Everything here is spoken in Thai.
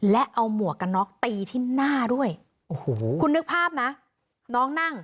และเอาหมวกกันน็อกตีที่หน้าด้วยโอ้โหคุณนึกภาพนะน้องนั่ง